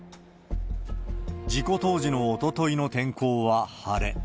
事故当時のおとといの天候は晴れ。